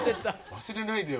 忘れないでよ